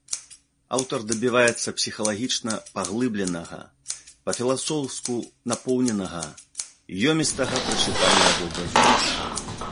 Аўтар дабіваецца псіхалагічна паглыбленага, па-філасофску напоўненага, ёмістага прачытання вобразу.